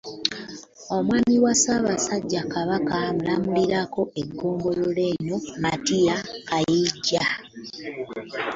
Omwami wa Ssaabasajja Kabaka amulamulirako eggombolola eno, Martia Kayijja